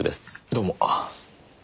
どうも。